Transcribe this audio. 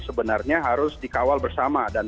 sebenarnya harus dikawal bersama dan